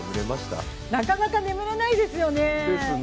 なかなか眠れないですよね。